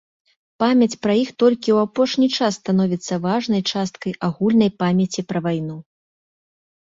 Памяць пра іх толькі ў апошні час становіцца важнай часткай агульнай памяці пра вайну.